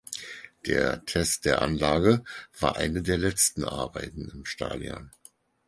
Der Test der Anlage war eine der letzten Arbeiten im Stadion.